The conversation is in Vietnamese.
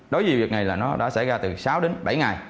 đối với việc này là nó đã xảy ra từ sáu đến bảy ngày